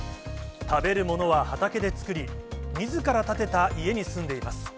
食べるものは畑で作り、みずから建てた家に住んでいます。